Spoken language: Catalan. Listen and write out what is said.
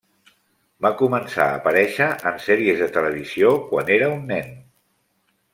Va començar a aparèixer en sèries de televisió quan era un nen.